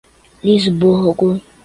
Luisburgo